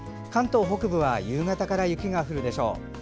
関東北部は夕方から雪が降るでしょう。